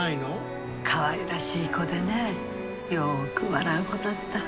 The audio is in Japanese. かわいらしい子でねよく笑う子だった。